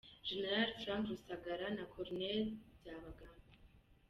Gen. Frank Rusagara Na Col. Byabagamba